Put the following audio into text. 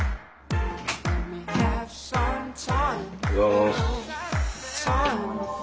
おはようございます。